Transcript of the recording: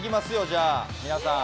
じゃあ、皆さん。